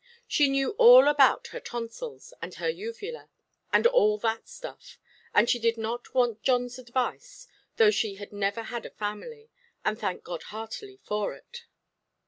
She knew all about her tonsils and her uvula, and all that stuff, and she did not want Johnʼs advice, though she had never had a family; and thank God heartily for it!